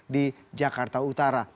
di jakarta utara